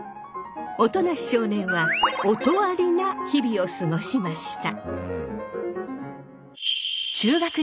音無少年は音有りな日々を過ごしました。